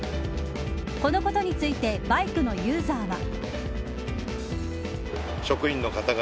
このことについてバイクのユーザーは。